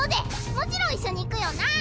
もちろん一緒に行くよな？